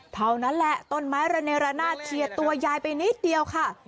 เท่านั้นแหละต้นไม้ระเนรนาศเฉียดตัวยายไปนิดเดียวค่ะ